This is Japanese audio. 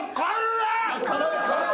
辛い？